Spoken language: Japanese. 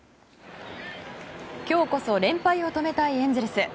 今日こそ連敗を止めたいエンゼルス。